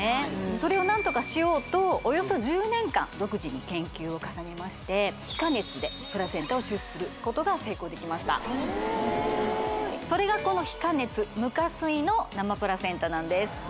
それを何とかしようとおよそ１０年間独自に研究を重ねまして非加熱でプラセンタを抽出することが成功できましたそれがこの非加熱無加水の生プラセンタなんです